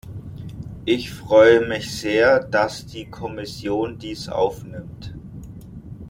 Ich freue mich sehr, dass die Kommission dies aufnimmt.